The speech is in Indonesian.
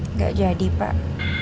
nggak jadi pak